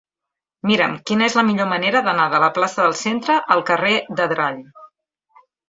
Mira'm quina és la millor manera d'anar de la plaça del Centre al carrer d'Adrall.